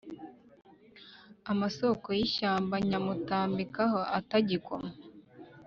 Amasoko y’ishyamba nyamutambikaho atagikoma.